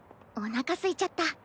おなかすいちゃった。